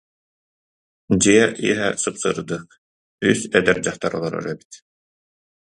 Дьиэ иһэ сып-сырдык, үс эдэр дьахтар олорор эбит